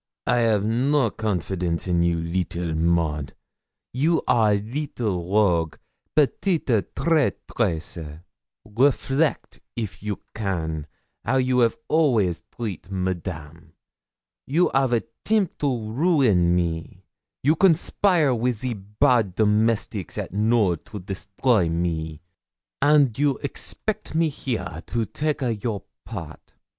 'I have no confidence in you, little Maud; you are little rogue petite traîtresse! Reflect, if you can, how you 'av always treat Madame. You 'av attempt to ruin me you conspire with the bad domestics at Knowl to destroy me and you expect me here to take a your part!